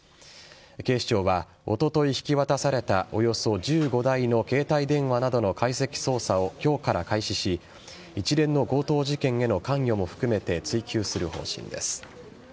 警視庁はおととい引き渡されたおよそ１５台の携帯電話などの解析捜査を今日から開始し一連の強盗事件への関与も含めて追及する方針です。